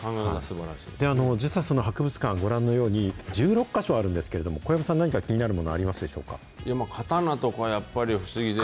実はその博物館、ご覧のように、１６か所あるんですけれども、小籔さん、何か気になるものあり刀とか、やっぱり。